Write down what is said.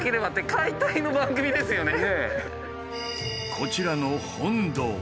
こちらの本堂。